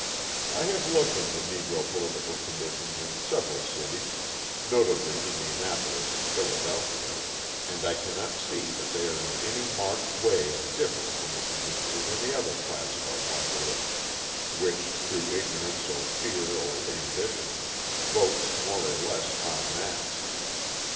I have looked into Negro political conditions in several cities, notably Indianapolis and Philadelphia, and I cannot see that they are in any marked way different from the condition of any other class of our population which through ignorance, or fear, or ambition, votes more or less en masse.